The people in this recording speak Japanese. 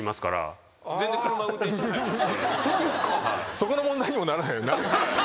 そこの問題にもならないよな。